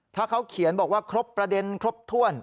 ถ้าเขาเขียนบอกว่าครบประเด็นครบถ้วน